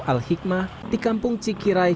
al hikmah di kampung cikirai